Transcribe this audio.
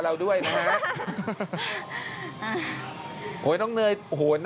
สวัสดีค่ะสวัสดีค่ะ